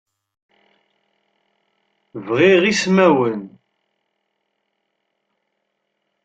Bɣiɣ ismawen.